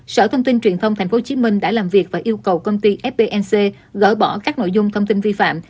sở thông tin truyền thông tp hcm đã làm việc và yêu cầu công ty fpnc gỡ bỏ các nội dung thông tin vi phạm